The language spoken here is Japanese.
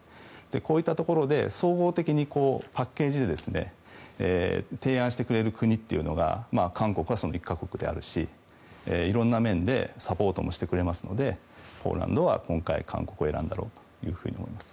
こういったところで総合的にパッケージで提案してくれる国というのが韓国は、その一角であるしいろんな面でサポートもしてくれますのでポーランドは今回韓国を選んだんだと思います。